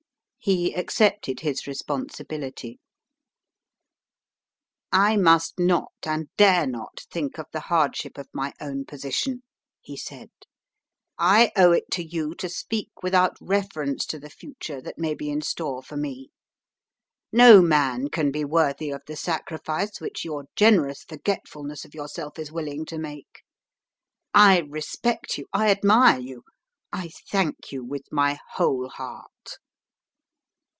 He accepted his responsibility. "I must not, and dare not, think of the hardship of my own position," he said; "I owe it to you to speak without reference to the future that may be in store for me. No man can be worthy of the sacrifice which your generous forgetfulness of yourself is willing to make. I respect you; I admire you; I thank you with my whole heart.